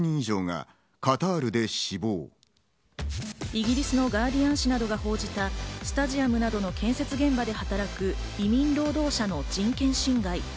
イギリスのガーディアン紙などが報じた、スタジアムなどの建設現場で働く移民労働者の人権侵害。